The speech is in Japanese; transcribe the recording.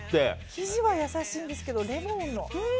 生地は優しいんですけどレモンの。